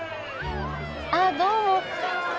あっどうも！